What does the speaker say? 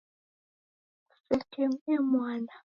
Kusekemie mwana.